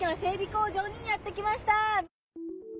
工場にやって来ました。